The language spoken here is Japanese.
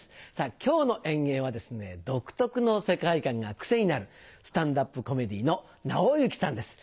今日の演芸はですね独特の世界観がクセになるスタンダップコメディのナオユキさんです。